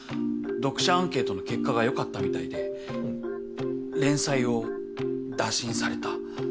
読者アンケートの結果が良かったみたいで連載を打診された。